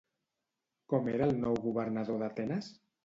Com era el nou governador d'Atenes?